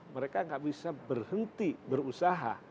mereka nggak bisa berhenti berusaha